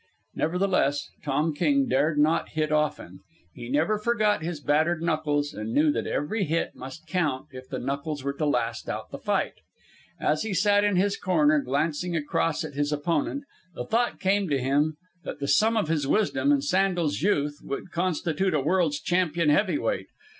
Nevertheless, Tom King dared not hit often. He never forgot his battered knuckles, and knew that every hit must count if the knuckles were to last out the fight. As he sat in his corner, glancing across at his opponent, the thought came to him that the sum of his wisdom and Sandel's youth would constitute a world's champion heavyweight.